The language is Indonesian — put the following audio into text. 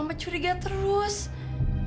mama itu buat yang telef sav maze